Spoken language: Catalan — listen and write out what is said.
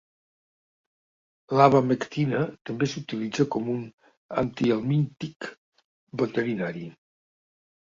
L'abamectina també s'utilitza com un antihelmíntic veterinari.